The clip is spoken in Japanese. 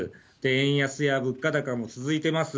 円安や物価高も続いています。